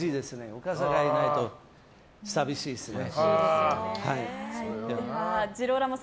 お母さんがいないと寂しいですね。